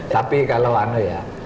tapi kalau aneh ya